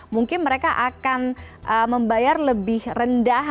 mungkin mereka akan membayar lebih rendah